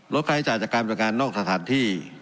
ค่าใช้จ่ายจากการบริการนอกสถานที่